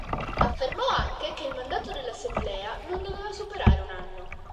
Affermò anche che il mandato dell'Assemblea non doveva superare un anno.